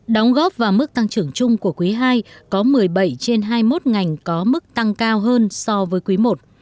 đóng góp vào mức tăng trưởng chung của quý ii có một mươi bảy trên hai mươi một ngành có mức tăng cao hơn so với quý i